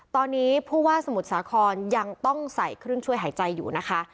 ตอนนี้ผู้ว่าสมุทรสาครยังต้องใส่เครื่องช่วยหายใจอยู่นะคะ